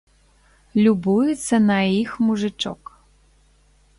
Любуецца на іх мужычок.